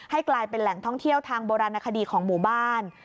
กลายเป็นแหล่งท่องเที่ยวทางโบราณคดีของหมู่บ้าน